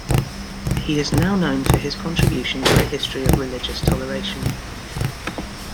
He is now known for his contribution to the history of religious toleration.